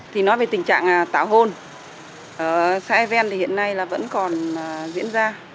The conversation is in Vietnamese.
thì nói về tình trạng tảo hôn ở xã e ven thì hiện nay là vẫn còn diễn ra